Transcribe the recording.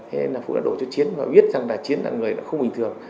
thế nên là phú đã đổ cho chiến và biết rằng là chiến là người không bình thường